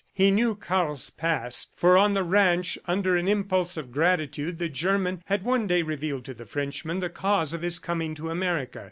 He knew Karl's past, for on the ranch, under an impulse of gratitude, the German had one day revealed to the Frenchman the cause of his coming to America.